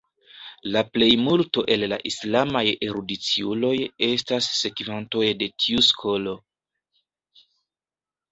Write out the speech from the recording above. La plejmulto el la islamaj erudiciuloj estas sekvantoj de tiu skolo.